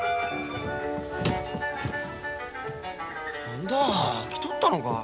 何だ来とったのか。